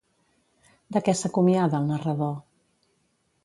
De què s'acomiada el narrador?